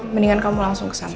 mendingan kamu langsung ke sana